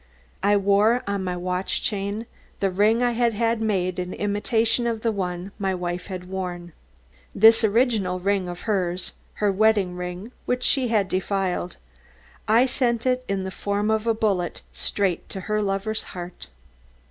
I wore on my watch chain the ring I had had made in imitation of the one my wife had worn. This original ring of hers, her wedding ring which she had defiled, I sent in the form of a bullet straight to her lover's heart.